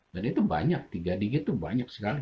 dan itu banyak tiga digit itu banyak sekali